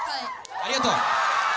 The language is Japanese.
ありがとう。